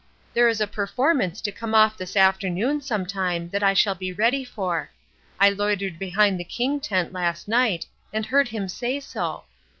There is a performance to come off this afternoon some time that I shall be ready for. I loitered behind the King tent last night, and heard him say so.